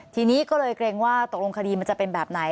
ทีนี้ก็เลยเกรงว่าตกลงคดีมันจะเป็นแบบไหน